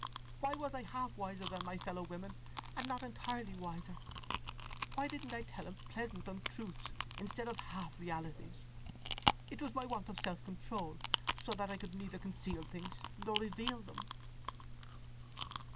—Why was I half wiser than my fellow women? And not entirely wiser! Why didn't I tell him pleasant untruths, instead of half realities? It was my want of self control, so that I could neither conceal things nor reveal them!"